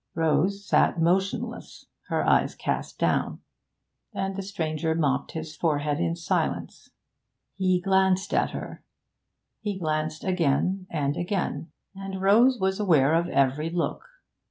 Rose sat motionless, her eyes cast down. And the stranger mopped his forehead in silence. He glanced at her; he glanced again and again; and Rose was aware of every look.